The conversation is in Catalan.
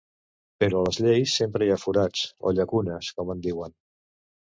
Però a les lleis sempre hi ha forats, o llacunes, com en diuen.